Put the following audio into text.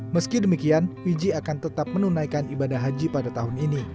meski demikian wiji akan tetap menunaikan ibadah haji pada tahun ini